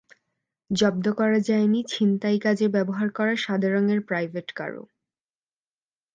জব্দ করা যায়নি ছিনতাই কাজে ব্যবহার করা সাদা রঙের প্রাইভেট কারও।